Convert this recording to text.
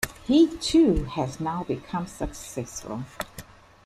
He too has now become successful.